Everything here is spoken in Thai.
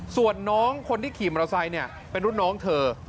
ส่วนน้องคนที่ขี่มอเตอร์ไซค์เป็นรุ่นน้องเธอ